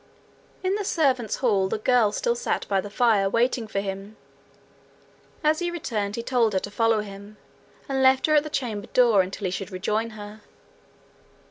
In the servants' hall the girl still sat by the fire, waiting for him. As he returned he told her to follow him, and left her at the chamber door until he should rejoin her.